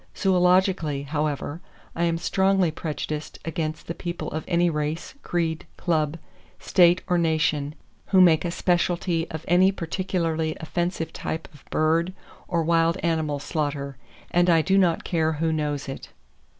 Zoologically, however, I am strongly prejudiced against the people of any race, creed, club, state or nation who make a specialty of any particularly offensive type of bird or wild animal slaughter; and I do not care who knows it.